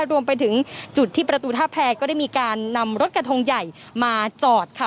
รวมไปถึงจุดที่ประตูท่าแพรก็ได้มีการนำรถกระทงใหญ่มาจอดค่ะ